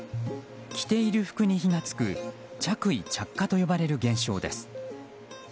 着ている服に火が付く着衣着火と呼ばれる現象です。